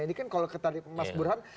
ini kan kalau kata mas burhan